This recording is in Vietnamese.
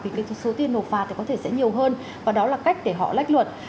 vì cái số tiền nộp phạt thì có thể sẽ nhiều hơn và đó là cách để họ lách luật